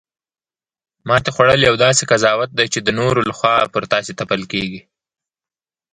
ماتې خوړل یو داسې قضاوت دی چې د نورو لخوا پر تاسې تپل کیږي